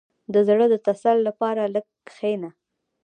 • د زړۀ د تسل لپاره لږ کښېنه.